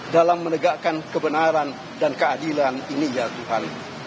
dalam menegakkan kebenaran dan keadilan ini ya tuhan